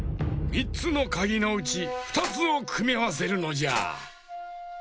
３つのかぎのうち２つをくみあわせるのじゃ。